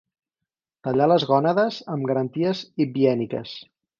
Tallar les gònades amb garanties hibièniques.